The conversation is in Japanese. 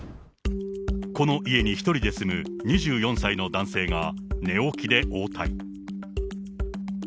この家に１人で住む２４歳の男性が、寝起きで応対。